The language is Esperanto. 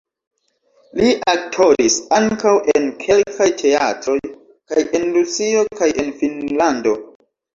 Li aktoris ankaŭ en kelkaj teatroj kaj en Rusio kaj en Finnlando.